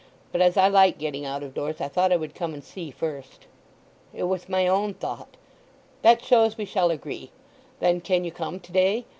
But as I like getting out of doors, I thought I would come and see first." "It was my own thought." "That shows we shall agree. Then can you come to day?